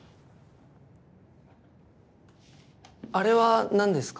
あれは何ですか？